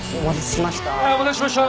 お待たせしました！